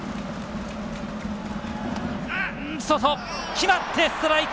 決まって、ストライク！